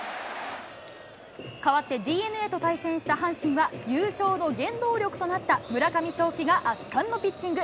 変わってＤｅＮＡと対戦した阪神は、優勝の原動力となった村上頌樹が圧巻のピッチング。